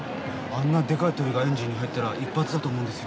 あんなでかい鳥がエンジンに入ったら一発だと思うんですよ。